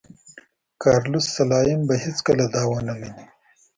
کارلوس سلایم به هېڅکله دا ونه مني.